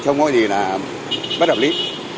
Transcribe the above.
không có gì là bất hợp lý